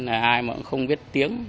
ai mà không biết tiếng